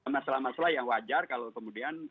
masalah masalah yang wajar kalau kemudian